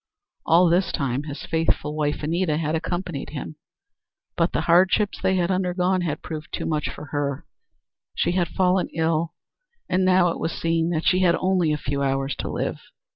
All this time his faithful wife, Anita, had accompanied him but the hardships they had undergone had proved too much for her; she had fallen ill and now it was seen that she had only a few hours to live.